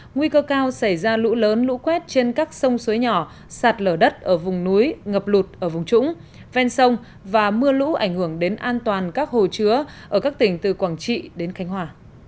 nguy cơ cao xảy ra lũ lớn lũ quét trên các sông suối nhỏ sạt lở đất ở vùng núi ngập lụt ở vùng trũng ven sông và mưa lũ ảnh hưởng đến an toàn các hồ chứa ở các tỉnh từ quảng trị đến khánh hòa